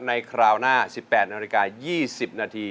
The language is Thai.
คราวหน้า๑๘นาฬิกา๒๐นาที